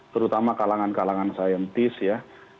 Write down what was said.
terutama kalangan kalangan saintis ya